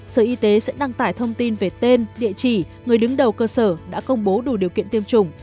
sở y tế sẽ đăng tải thông tin về tên địa chỉ người đứng đầu cơ sở đã công bố đủ điều kiện tiêm chủng